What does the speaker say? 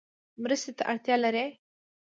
مرستې ته اړتیا لری؟